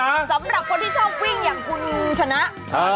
สำหรับคนที่ชอบวิ่งอย่างคุณชนะอ่า